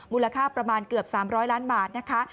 มูลค่าประมาณเกือบ๓๐๐ล้านบาทนะคะ